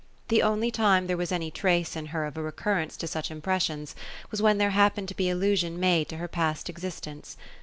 The only time there was any trace in her of a recurrence to such impressions, was when there happened to be allusion made to her past existence.